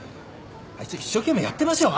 あいつ一生懸命やってますよ。